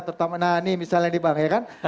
nah ini misalnya nih bang ya kan